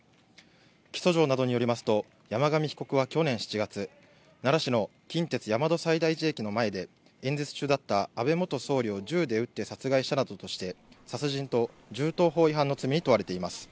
起訴状などによりますと、山上被告は去年７月、奈良市の近鉄大和西大寺駅の前で、演説中だった安倍元総理を銃で撃って殺害したなどとして、殺人と銃刀法違反の罪に問われています。